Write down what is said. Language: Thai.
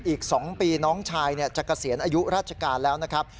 อีก๒ปีน้องชายจะเกษียณอายุราชการแล้วนะครับ